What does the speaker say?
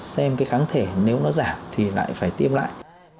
xem cái kháng thể nếu nó giảm thì lại phải tiêm lại